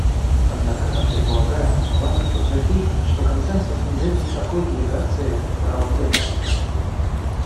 Однако, как я полагаю, важно подтвердить, что консенсус не дает никакой делегации права вето.